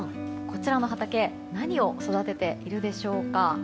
こちらの畑何を育てているでしょうか。